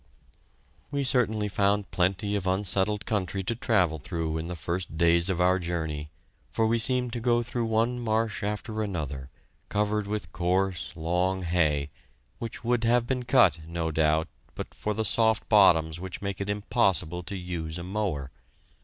We certainly found plenty of unsettled country to travel through in the first days of our journey, for we seemed to go through one marsh after another, covered with coarse, long hay, which would have been cut, no doubt, but for the soft bottoms which make it impossible to use a mower.